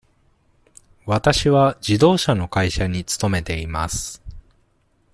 わたしは自動車の会社に勤めています。